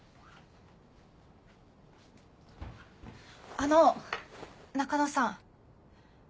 あの中野さん。